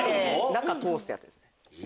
中通すやつですね。